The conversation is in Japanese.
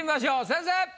先生！